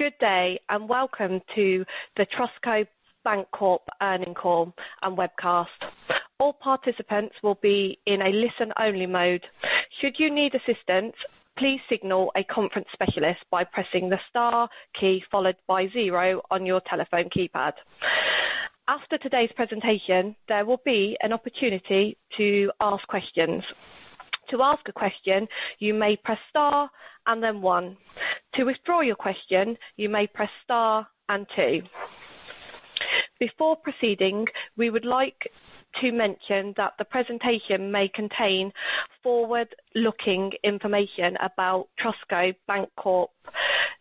Good day, and welcome to the TrustCo Bank Corp NY earnings call and webcast. All participants will be in a listen-only mode. Should you need assistance, please signal a conference specialist by pressing the star key followed by zero on your telephone keypad. After today's presentation, there will be an opportunity to ask questions. To ask a question, you may press star and then one. To withdraw your question, you may press star and two. Before proceeding, we would like to mention that the presentation may contain forward-looking information about TrustCo Bank Corp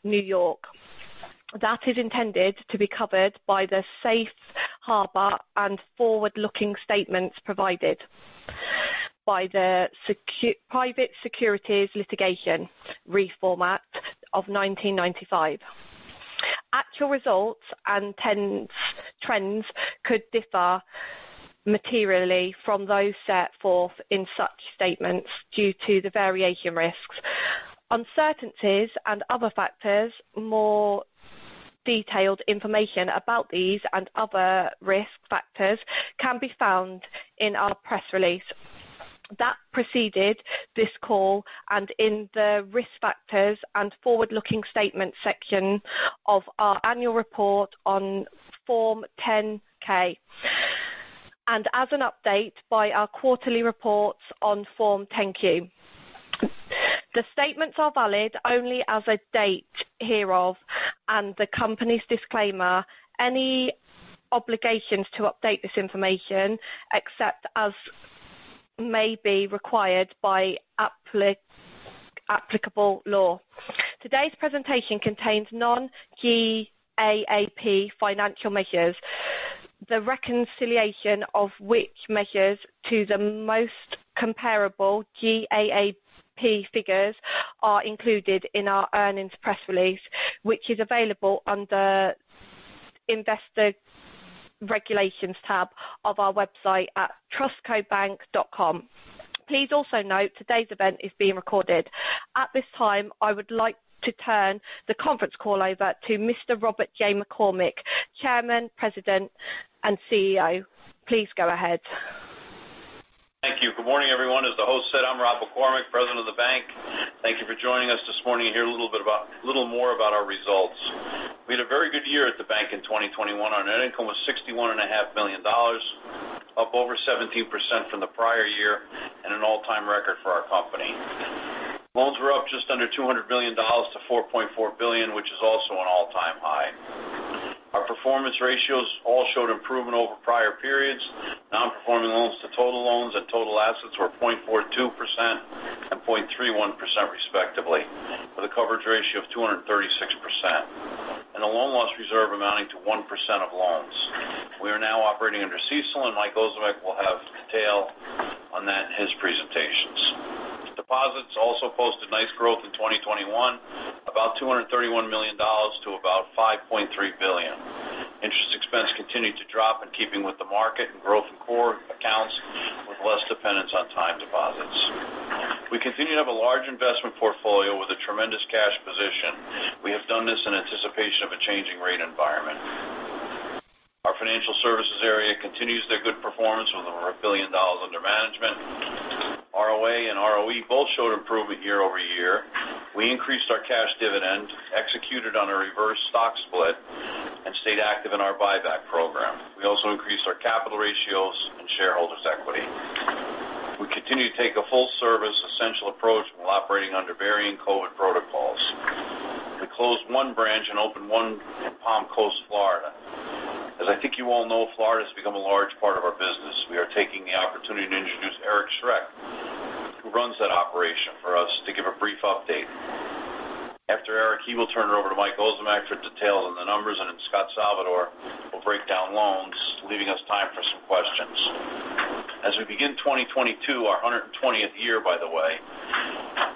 NY that is intended to be covered by the safe harbor and forward-looking statements provided by the Private Securities Litigation Reform Act of 1995. Actual results and trends could differ materially from those set forth in such statements due to a variety of risks, uncertainties and other factors. More detailed information about these and other risk factors can be found in our press release that preceded this call and in the risk factors and forward-looking statement section of our annual report on Form 10-K and as an update by our quarterly reports on Form 10-Q. The statements are valid only as of the date hereof, and the Company disclaims any obligations to update this information, except as may be required by applicable law. Today's presentation contains non-GAAP financial measures, the reconciliation of which measures to the most comparable GAAP figures are included in our earnings press release, which is available under Investor Relations tab of our website at trustcobank.com. Please also note today's event is being recorded. At this time, I would like to turn the conference call over to Mr. Robert J. McCormick, Chairman, President, and CEO. Please go ahead. Thank you. Good morning, everyone. As the host said, I'm Rob McCormick, President of the bank. Thank you for joining us this morning to hear a little more about our results. We had a very good year at the bank in 2021. Our net income was $61.5 million, up over 17% from the prior year and an all-time record for our company. Loans were up just under $200 million-$4.4 billion, which is also an all-time high. Our performance ratios all showed improvement over prior periods. Non-performing loans to total loans and total assets were 0.42% and 0.31% respectively, with a coverage ratio of 236% and a loan loss reserve amounting to 1% of loans. We are now operating under CECL, and Mike Ozimek will have detail on that in his presentations. Deposits also posted nice growth in 2021, about $231 million to about $5.3 billion. Interest expense continued to drop in keeping with the market and growth in core accounts with less dependence on time deposits. We continue to have a large investment portfolio with a tremendous cash position. We have done this in anticipation of a changing rate environment. Our financial services area continues their good performance with over $1 billion under management. ROA and ROE both showed improvement year-over-year. We increased our cash dividend, executed on a reverse stock split, and stayed active in our buyback program. We also increased our capital ratios and shareholders equity. We continue to take a full-service essential approach while operating under varying COVID protocols. We closed one branch and opened one in Palm Coast, Florida. As I think you all know, Florida has become a large part of our business. We are taking the opportunity to introduce Eric Schreck, who runs that operation for us to give a brief update. After Eric, he will turn it over to Mike Ozimek for detail on the numbers, and then Scot Salvador will break down loans, leaving us time for some questions. As we begin 2022, our 120th year, by the way,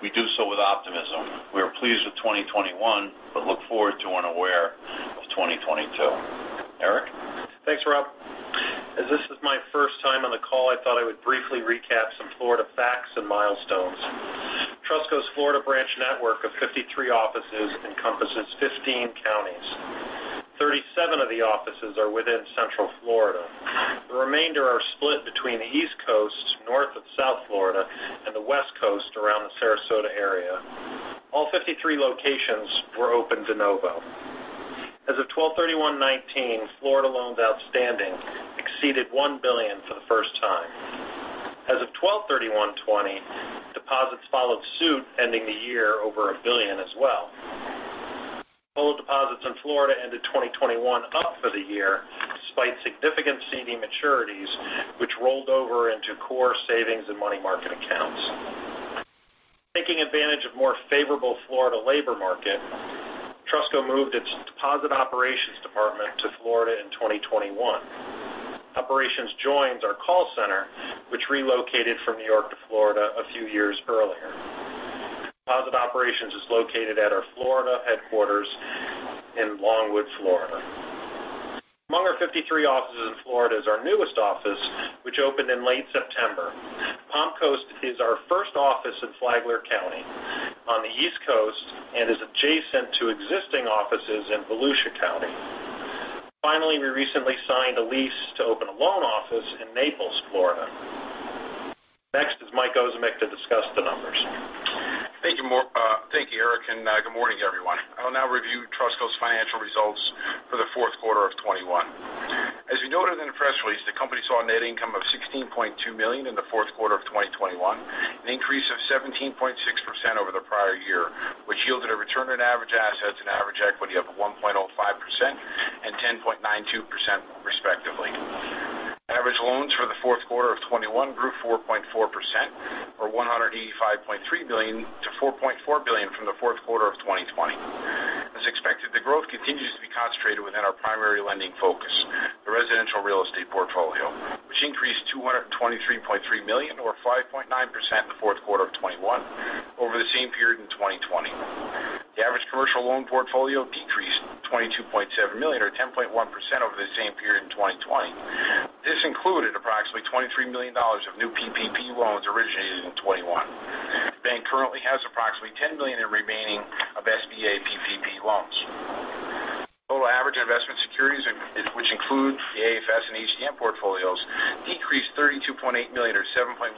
we do so with optimism. We are pleased with 2021, but look forward to a new year of 2022. Eric? Thanks, Rob. As this is my first time on the call, I thought I would briefly recap some Florida facts and milestones. TrustCo's Florida branch network of 53 offices encompasses 15 counties. 37 of the offices are within Central Florida. The remainder are split between the East Coast, North and South Florida, and the West Coast around the Sarasota area. All 53 locations were open de novo. As of 12/31/2019, Florida loans outstanding exceeded $1 billion for the first time. As of 12/31/2020, deposits followed suit, ending the year over $1 billion as well. Total deposits in Florida ended 2021 up for the year, despite significant CD maturities which rolled over into core savings and money market accounts. Taking advantage of more favorable Florida labor market, TrustCo moved its deposit operations department to Florida in 2021. Operations joins our call center, which relocated from New York to Florida a few years earlier. Deposit Operations is located at our Florida headquarters in Longwood, Florida. Among our 53 offices in Florida is our newest office, which opened in late September. Palm Coast is our first office in Flagler County on the East Coast and is adjacent to existing offices in Volusia County. Finally, we recently signed a lease to open a loan office in Naples, Florida. Next is Mike Ozimek to discuss the numbers. Thank you, Eric, and good morning, everyone. I will now review TrustCo's financial results for the Q4 of 2021. As we noted in the press release, the company saw a net income of $16.2 million in the Q4 of 2021, an increase of 17.6% over the prior year, which yielded a return on average assets and average equity of 1.05% and 10.92%, respectively. Average loans for the Q4 of 2021 grew 4.4% or $185.3 million-$4.4 billion from the Q4 of 2020. As expected, the growth continues to be concentrated within our primary lending focus, the residential real estate portfolio, which increased $223.3 million or 5.9% in the Q4 of 2021 over the same period in 2020. The average commercial loan portfolio decreased $22.7 million or 10.1% over the same period in 2020. This included approximately $23 million of new PPP loans originated in 2021. The bank currently has approximately $10 million of remaining SBA PPP loans. Total average investment securities in which include the AFS and HTM portfolios, decreased $32.8 million or 7.1%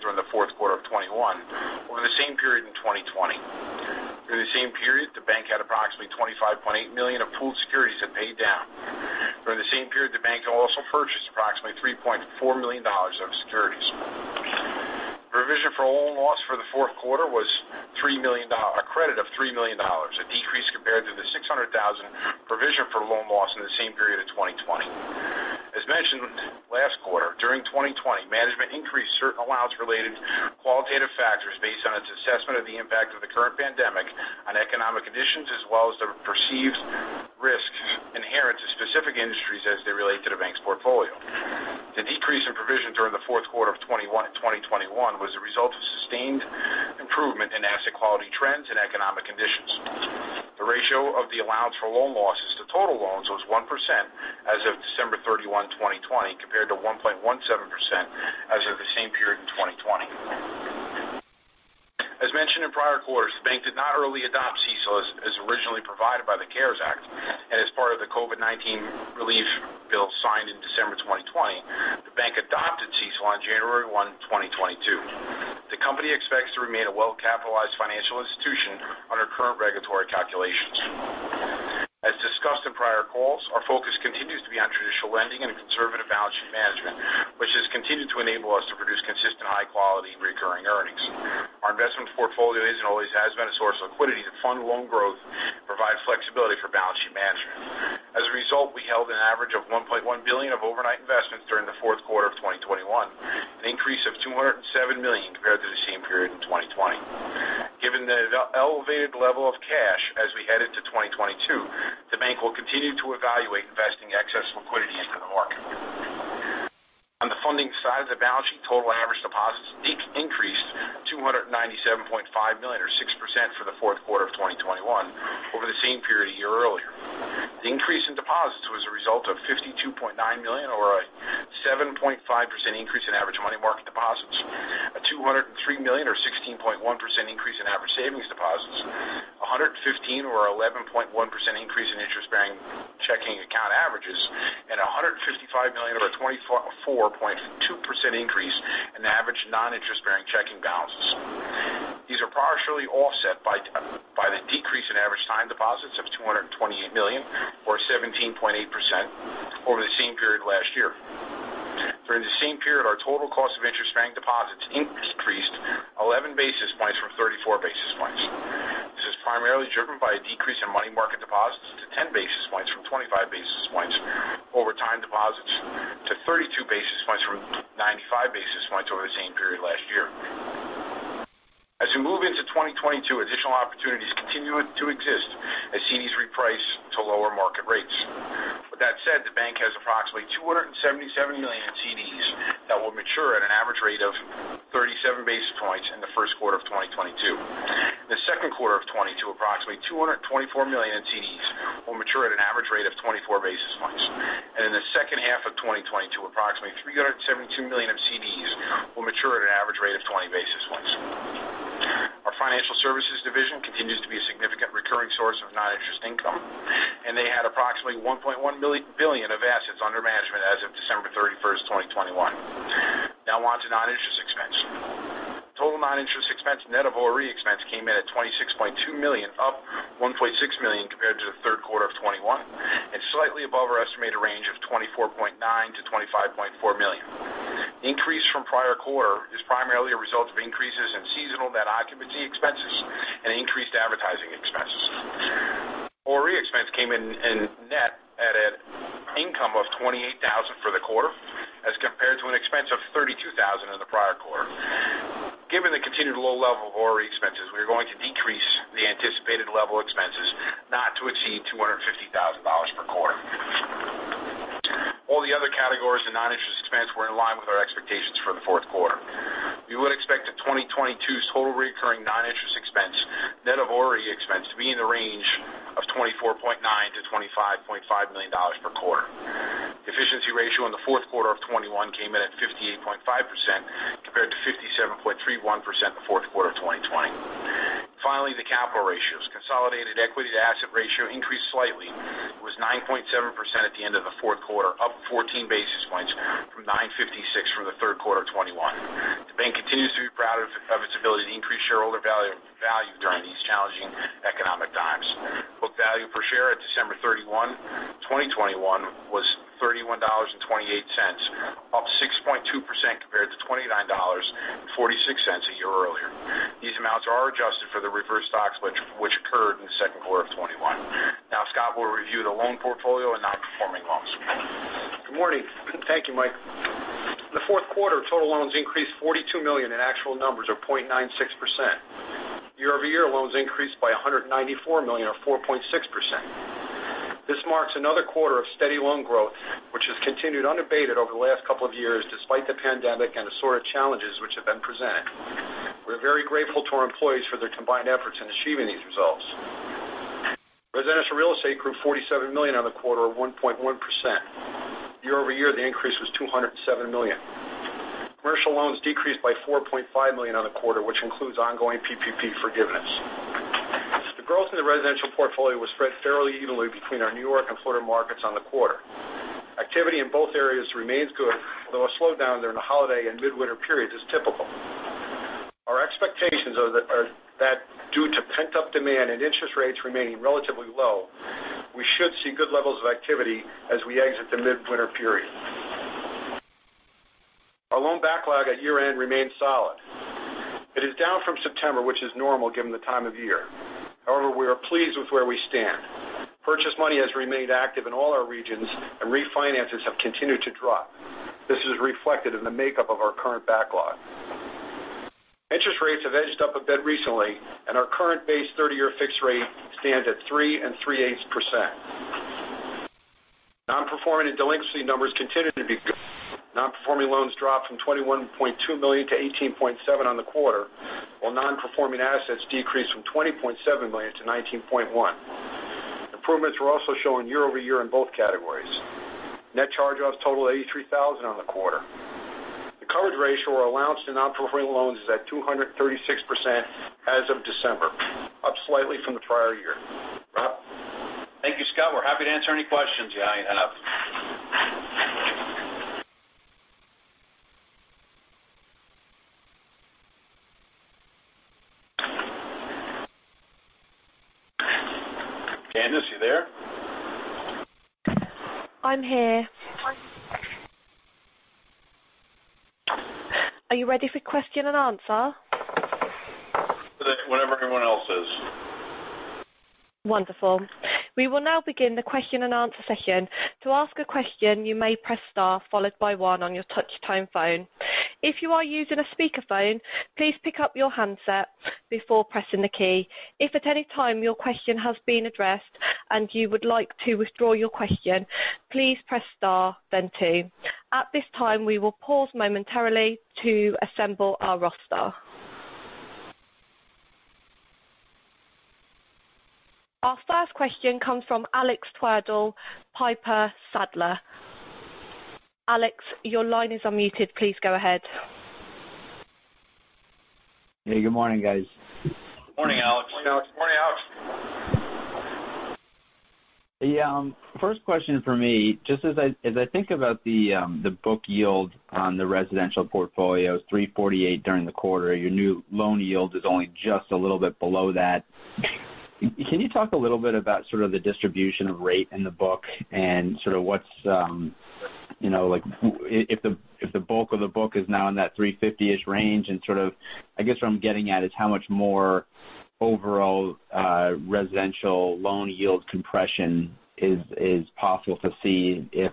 during the Q4 of 2021 over the same period in 2020. During the same period, the bank had approximately $25.8 million of pooled securities that paid down. During the same period, the bank also purchased approximately $3.4 million of securities. Provision for loan loss for the Q4 was $3 million, a credit of $3 million, a decrease compared to the $600,000 provision for loan loss in the same period of 2020. As mentioned last quarter, during 2020, management increased certain allowance-related qualitative factors based on its assessment of the impact of the current pandemic on economic conditions as well as the perceived risks inherent to specific industries as they relate to the bank's portfolio. The decrease in provision during the Q4 of 2021 was the result of sustained improvement in asset quality trends and economic conditions. The ratio of the allowance for loan losses to total loans was 1% as of December 31, 2020, compared to 1.17% as of the same period in 2020. As mentioned in prior quarters, the bank did not early adopt CECL as originally provided by the CARES Act. As part of the COVID-19 relief bill signed in December 2020, the bank adopted CECL on January 1, 2022. The company expects to remain a well-capitalized financial institution under current regulatory calculations. As discussed in prior calls, our focus continues to be on traditional lending and conservative balance sheet management, which has continued to enable us to produce consistent high quality recurring earnings. Our investment portfolio is and always has been a source of liquidity to fund loan growth and provide flexibility for balance sheet management. As a result, we held an average of $1.1 billion of overnight investments during the Q4 of 2021, an increase of $207 million compared to the same period in 2020. Given the elevated level of cash as we head into 2022, the bank will continue to evaluate investing excess liquidity into the market. On the funding side of the balance sheet, total average deposits increased $297.5 million or 6% for the Q4 of 2021 over the same period a year earlier. The increase in deposits was a result of $52.9 million or a 7.5% increase in average money market deposits, a $203 million or 16.1% increase in average savings deposits, a $115 million or 11.1% increase in interest-bearing checking account averages, and a $155 million or a 24.2% increase in average non-interest bearing checking balances. These are partially offset by the decrease in average time deposits of $228 million or 17.8% over the same period last year. During the same period, our total cost of interest-bearing deposits increased 11 basis points from 34 basis points. This is primarily driven by a decrease in money market deposits to 10 basis points from 25 basis points over time deposits to 32 basis points from 95 basis points over the same period last year. As we move into 2022, additional opportunities continue to exist as CDs reprice to lower market rates. With that said, the bank has approximately $277 million in CDs that will mature at an average rate of 37 basis points in the Q1 of 2022. In the Q2 of 2022, approximately $224 million in CDs will mature at an average rate of 24 basis points. In the second half of 2022, approximately $372 million of CDs will mature at an average rate of 20 basis points. Our financial services division continues to be a significant recurring source of non-interest income, and they had approximately $1.1 billion of assets under management as of December 31st, 2021. Now on to non-interest expense. Total non-interest expense net of ORE expense came in at $26.2 million, up $1.6 million compared to the Q3 of 2021 and slightly above our estimated range of $24.9 million-$25.4 million. The increase from prior quarter is primarily a result of increases in seasonal net occupancy expenses and increased advertising expenses. ORE expense came in in net at an income of $28,000 for the quarter as compared to an expense of $32,000 in the prior quarter. Given the continued low level of ORE expenses, we are going to decrease the anticipated level of expenses not to exceed $250,000 per quarter. All the other categories of non-interest expense were in line with our expectations for the Q4. We would expect the 2022 total recurring non-interest expense net of ORE expense to be in the range of $24.9 million-$25.5 million per quarter. Efficiency ratio in the Q4 of 2021 came in at 58.5% compared to 57.31% the Q4 of 2020. Finally, the capital ratios. Consolidated equity to asset ratio increased slightly. It was 9.7% at the end of the Q4, up 14 basis points from 9.56% for the Q3 of 2021. The bank continues to be proud of its ability to increase shareholder value during these challenging economic times. Book value per share at December 31, 2021 was $31.28, up 6.2% compared to $29.46 a year earlier. These amounts are adjusted for the reverse stock split which occurred in the Q2 of 2021. Now Scot will review the loan portfolio and non-performing loans. Good morning. Thank you, Mike. In the Q4, total loans increased $42 million in actual numbers or 0.96%. Year-over-year, loans increased by $194 million or 4.6%. This marks another quarter of steady loan growth, which has continued unabated over the last couple of years despite the pandemic and the sort of challenges which have been presented. We're very grateful to our employees for their combined efforts in achieving these results. Residential real estate grew $47 million on the quarter of 1.1%. Year-over-year, the increase was $207 million. Commercial loans decreased by $4.5 million on the quarter, which includes ongoing PPP forgiveness. The growth in the residential portfolio was spread fairly evenly between our New York and Florida markets on the quarter. Activity in both areas remains good, though a slowdown during the holiday and midwinter periods is typical. Our expectations are that due to pent-up demand and interest rates remaining relatively low, we should see good levels of activity as we exit the midwinter period. Our loan backlog at year-end remains solid. It is down from September, which is normal given the time of year. However, we are pleased with where we stand. Purchase money has remained active in all our regions, and refinances have continued to drop. This is reflected in the makeup of our current backlog. Interest rates have edged up a bit recently, and our current base 30-year fixed rate stands at 3 3/8%. Non-performing and delinquency numbers continue to be good. Non-performing loans dropped from $21.2 million-$18.7 million on the quarter, while non-performing assets decreased from $20.7 million-$19.1 million. Improvements were also shown year-over-year in both categories. Net charge-offs totaled $83,000 on the quarter. The coverage ratio or allowance to non-performing loans is at 236% as of December, up slightly from the prior year. Rob? Thank you, Scot. We're happy to answer any questions you have. Candice, you there? I'm here. Are you ready for question and answer? Whenever everyone else is. Wonderful. We will now begin the question and answer session. To ask a question, you may press star followed by one on your touch tone phone. If you are using a speakerphone, please pick up your handset before pressing the key. If at any time your question has been addressed and you would like to withdraw your question, please press star, then two. At this time, we will pause momentarily to assemble our roster. Our first question comes from Alex Twerdahl, Piper Sandler. Alex, your line is unmuted. Please go ahead. Hey, good morning, guys. Morning, Alex. Morning, Alex. Yeah, first question for me. Just as I think about the book yield on the residential portfolio, it was 3.48 during the quarter. Your new loan yield is only just a little bit below that. Can you talk a little bit about sort of the distribution of rate in the book and sort of what's you know, like, if the bulk of the book is now in that 3.50-ish range and sort of. I guess what I'm getting at is how much more overall residential loan yield compression is possible to see if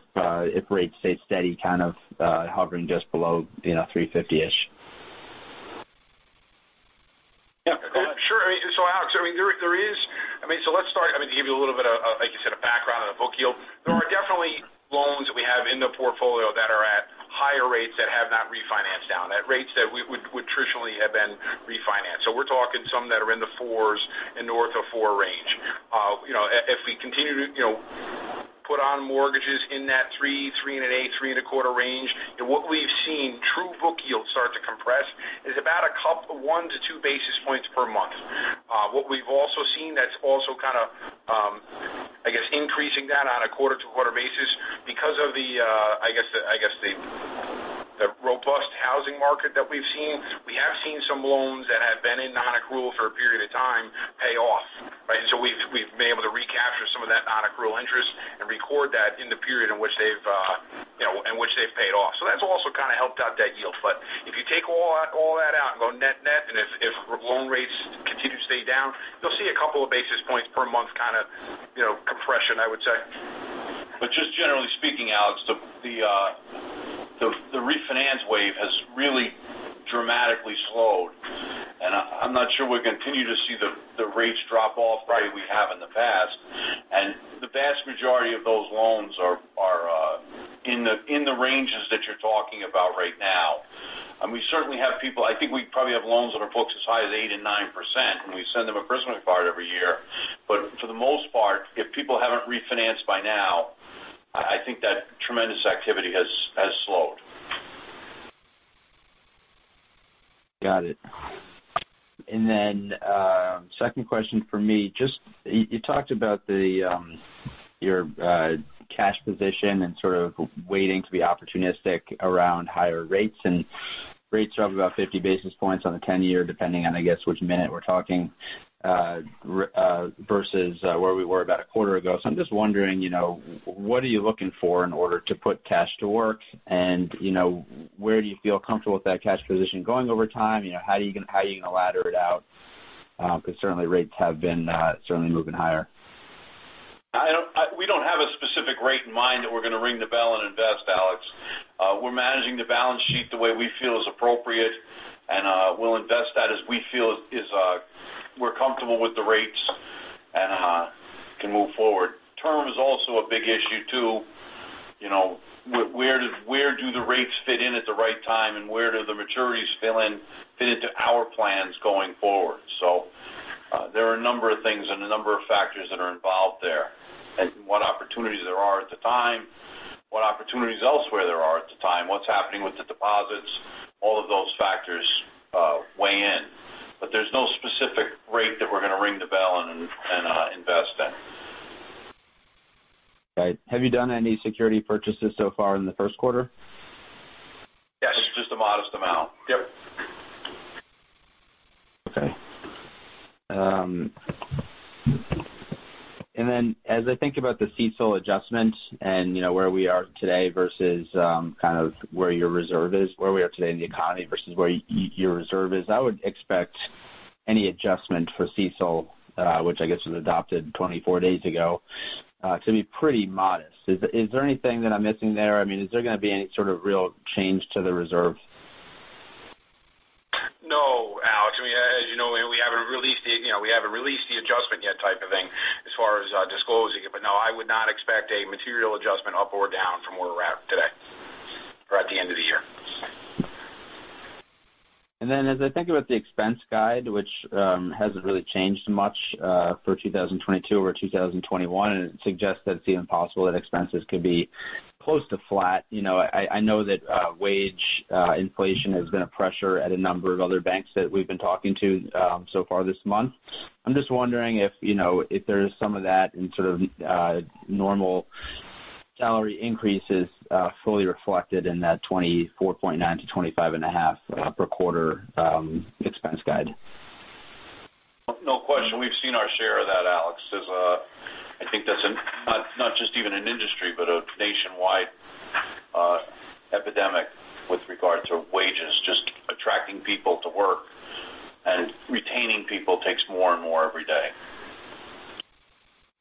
rates stay steady, kind of hovering just below, you know, 3.50-ish. Yeah, sure. Alex, let's start to give you a little bit of, like you said, a background on the book yield. There are definitely loans that we have in the portfolio that are at higher rates that have not refinanced down, at rates that we would traditionally have been refinanced. We're talking some that are in the 4s and north of 4 range. You know, if we continue to put on mortgages in that 3.38-3.25 range, and what we've seen true book yields start to compress is about 1-2 basis points per month. What we've also seen that's also kind of, I guess, increasing that on a quarter-to-quarter basis because of the, I guess, the robust housing market that we've seen, we have seen some loans that have been in nonaccrual for a period of time pay off, right? We've been able to recapture some of that nonaccrual interest and record that in the period in which they've, you know, in which they've paid off. That's also kind of helped out that yield. If you take all that out and go net net, and if loan rates continue to stay down, you'll see a couple of basis points per month kind of, you know, compression, I would say. Just generally speaking, Alex, the refinance wave has really dramatically slowed. I'm not sure we continue to see the rates drop off like we have in the past. The vast majority of those loans are in the ranges that you're talking about right now. We certainly have people, I think we probably have loans that are booked as high as 8% and 9%, and we send them an enticement card every year. For the most part, if people haven't refinanced by now, I think that tremendous activity has slowed. Got it. Second question for me. Just, you talked about your cash position and sort of waiting to be opportunistic around higher rates. Rates are up about 50 basis points on the ten-year, depending on, I guess, which minute we're talking versus where we were about a quarter ago. I'm just wondering, you know, what are you looking for in order to put cash to work? You know, where do you feel comfortable with that cash position going over time? You know, how are you gonna ladder it out? Because certainly rates have been certainly moving higher. We don't have a specific rate in mind that we're going to ring the bell and invest, Alex. We're managing the balance sheet the way we feel is appropriate. We'll invest that as we feel we're comfortable with the rates and can move forward. Term is also a big issue too. You know, where do the rates fit in at the right time and where do the maturities fit into our plans going forward? There are a number of things and a number of factors that are involved there. What opportunities there are at the time, what opportunities elsewhere there are at the time, what's happening with the deposits, all of those factors weigh in. There's no specific rate that we're going to ring the bell and invest in. Right. Have you done any securities purchases so far in the Q1? Yes. Just a modest amount. Yep. Okay. As I think about the CECL adjustment and, you know, where we are today versus, kind of where your reserve is, where we are today in the economy versus where your reserve is, I would expect any adjustment for CECL, which I guess was adopted 24 days ago, to be pretty modest. Is there anything that I'm missing there? I mean, is there going to be any sort of real change to the reserve? No, Alex. I mean, as you know, we haven't released the, you know, we haven't released the adjustment yet type of thing as far as, disclosing it. But no, I would not expect a material adjustment up or down from where we're at today or at the end of the year. As I think about the expense guide, which hasn't really changed much for 2022 over 2021, and it suggests that it's even possible that expenses could be close to flat. I know that wage inflation has been a pressure at a number of other banks that we've been talking to so far this month. I'm just wondering if there's some of that in sort of normal salary increases fully reflected in that $24.9-$25.5 per quarter expense guide. No question. We've seen our share of that, Alex. There's I think that's not just even an industry, but a nationwide epidemic with regard to wages. Just attracting people to work and retaining people takes more and more every day.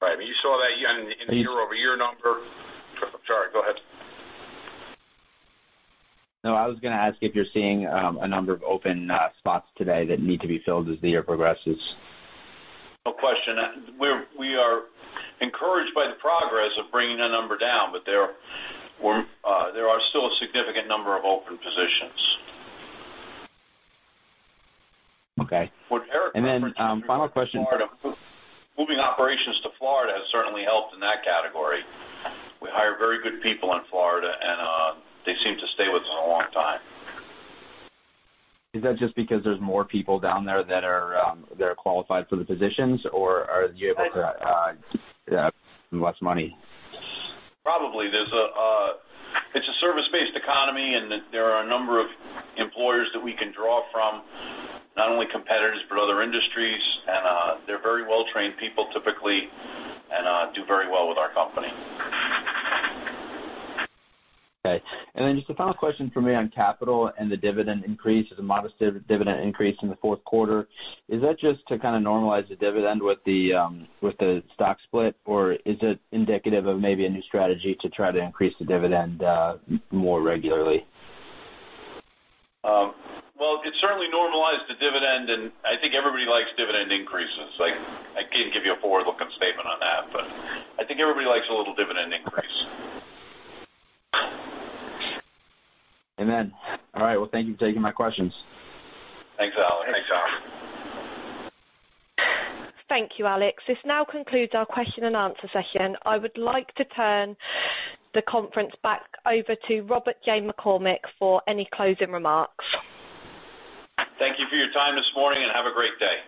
Right. You saw that in the year-over-year number. Sorry, go ahead. No, I was going to ask if you're seeing a number of open spots today that need to be filled as the year progresses? No question. We are encouraged by the progress of bringing the number down, but there are still a significant number of open positions. Okay. What Eric referenced. Final question. Moving operations to Florida has certainly helped in that category. We hire very good people in Florida, and they seem to stay with us a long time. Is that just because there's more people down there that are qualified for the positions? Or are you able to less money? Probably. It's a service-based economy, and there are a number of employers that we can draw from, not only competitors, but other industries. They're very well-trained people typically and do very well with our company. Okay. Just a final question for me on capital and the dividend increase. It's a modest dividend increase in the Q4. Is that just to kind of normalize the dividend with the stock split, or is it indicative of maybe a new strategy to try to increase the dividend more regularly? Well, it certainly normalized the dividend, and I think everybody likes dividend increases. Like, I can't give you a forward-looking statement on that, but I think everybody likes a little dividend increase. All right. Well, thank you for taking my questions. Thanks, Alex. Thank you, Alex. This now concludes our question and answer session. I would like to turn the conference back over to Robert J. McCormick for any closing remarks. Thank you for your time this morning, and have a great day.